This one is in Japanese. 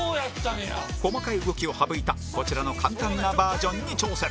細かい動きを省いたこちらの簡単なバージョンに挑戦